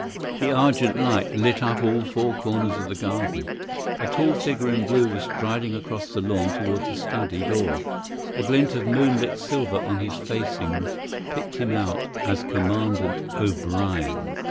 The argent light lit up all four corners of the garden. A tall figure in blue was striding across the lawn towards the study door; a glint of moonlit silver on his facings picked him out as Commandant O'Brien.